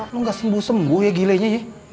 lo gak sembuh sembuh ya gilainya